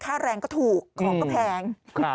ค่าแรงก็ถูกของก็แพง